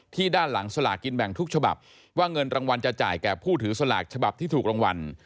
ด้านหลังสลากกินแบ่งทุกฉบับว่าเงินรางวัลจะจ่ายแก่ผู้ถือสลากฉบับที่ถูกรางวัล